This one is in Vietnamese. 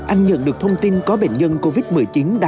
anh nhận được thông tin có bệnh nhân covid một mươi chín đã